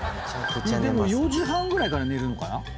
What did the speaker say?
でも４時半ぐらいから寝るのかな？